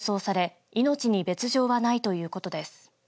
水野さんは富山県内の病院に搬送され命に別状はないということです。